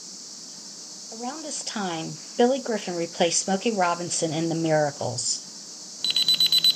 Around this time, Billy Griffin replaced Smokey Robinson in The Miracles.